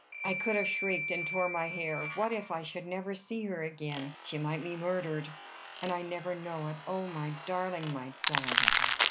I could have shrieked, and torn my hair. What if I should never see her again? She might be murdered, and I never know it! O my darling! my darling!